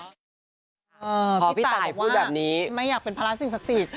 พี่ตายพูดแบบนี้พอพี่ตายบอกว่าไม่อยากเป็นภาระสิ่งศักดิ์สิทธิ์